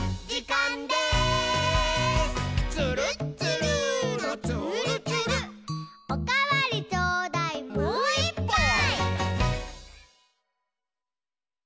「つるっつるーのつーるつる」「おかわりちょうだい」「もういっぱい！」